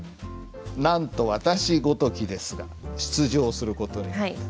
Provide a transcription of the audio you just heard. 「なんと私ごときですが出場することになってます」。